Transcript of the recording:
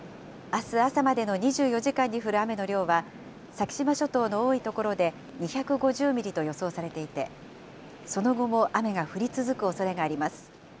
あす朝までの２４時間に降る雨の量は、先島諸島の多い所で２５０ミリと予想されていて、その後も雨が降り続くおそれがあります。